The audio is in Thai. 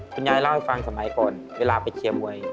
คุณยายเล่าให้ฟังสมัยก่อนเวลาไปเชียร์มวย